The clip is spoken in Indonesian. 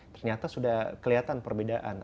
ternyata sudah kelihatan perbedaan